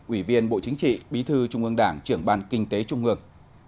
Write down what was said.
ủy viên bộ chính trị bí thư trung ương đảng trưởng ban kinh tế trung ương